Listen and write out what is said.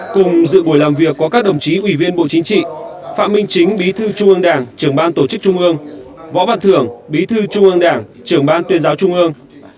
cùng dự buổi làm việc có các đồng chí ủy viên bộ chính trị phạm minh chính bí thư trung ương đảng trưởng ban tổ chức trung ương võ văn thưởng bí thư trung ương đảng trưởng ban tuyên giáo trung ương